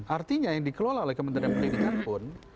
artinya yang dikelola oleh kementerian pendidikan pun